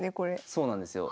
そうなんですよ。